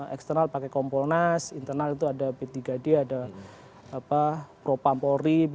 eksternal pakai komponas internal itu ada p tiga d ada propampori